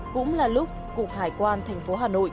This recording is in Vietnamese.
cũng là lúc cục hải quan thành phố hà nội